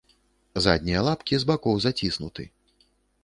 Заднія лапкі з бакоў заціснуты.